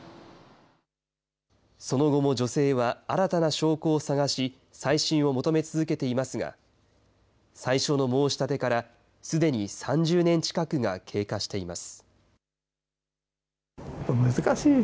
その後も女性は新たな証拠を探し、再審を求め続けていますが、最初の申し立てからすでに３０年近くが経過しています。